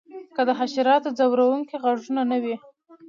که د حشراتو ځورونکي غږونه نه وی